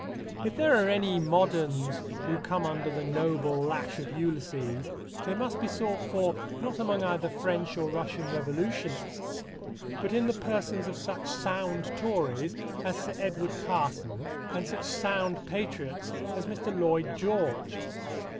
If there are any moderns who come under the noble lash of Ulysses, they must be sought for not among either French or Russian revolutionists, but in the persons of such sound Tories as Sir Edward Carson and such sound patriots as Mr. Lloyd George.